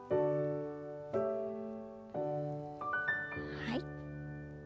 はい。